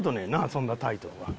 そんなタイトルは。